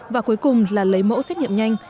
và cuối cùng là lấy mẫu xét nghiệm nhanh